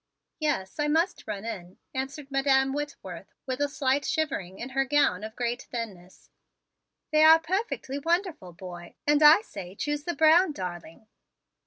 "Yes, I must run in," answered Madam Whitworth with a slight shivering in her gown of great thinness. "They are perfectly wonderful, boy, and I say choose the brown darling."